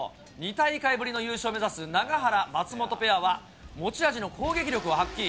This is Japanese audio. ２大会ぶりの優勝を目指す永原・松本ペアは、持ち味の攻撃力を発揮。